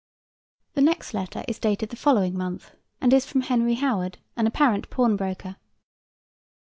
The next letter is dated the following month, and is from Henry Howard, an apparent pawnbroker.